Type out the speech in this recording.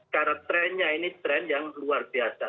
karena trennya ini tren yang luar biasa